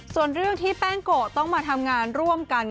ส่วนเรื่องที่แป้งโกะต้องมาทำงานร่วมกัน